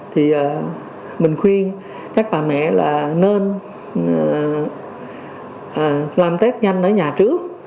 thì mình khuyên các bà mẹ là nên làm test nhanh ở nhà trước